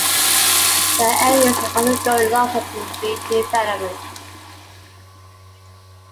The area is undergoing lots of redevelopment.